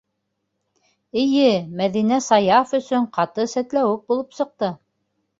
Эйе, Мәҙинә Саяф өсөн ҡаты сәтләүек булып сыҡты.